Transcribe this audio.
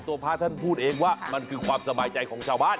พระท่านพูดเองว่ามันคือความสบายใจของชาวบ้าน